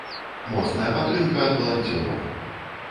Моцная падтрымка ад валанцёраў.